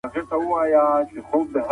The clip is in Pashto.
ښه انسان تل ريښتيا وايي